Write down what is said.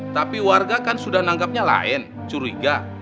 tapi warga kan sudah nanggapnya lain curiga